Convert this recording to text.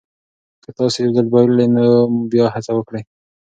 که تاسي یو ځل بایللي نو بیا هڅه وکړئ.